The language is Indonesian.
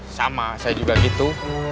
sama saya juga gitu